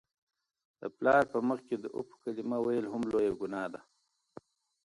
د پلار په مخ کي د "اف" کلمه ویل هم لویه ګناه ده.